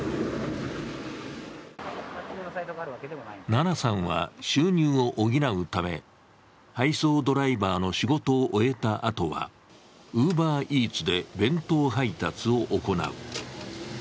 ななさんは収入を補うため、配送ドライバーの仕事を終えたあとはＵｂｅｒＥａｔｓで弁当配達を行う。